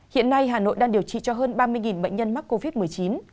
hiện nay hà nội đang điều trị cho hơn ba mươi bệnh nhân mắc covid một mươi chín